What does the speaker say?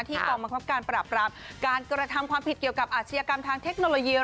กองบังคับการปราบรามการกระทำความผิดเกี่ยวกับอาชญากรรมทางเทคโนโลยี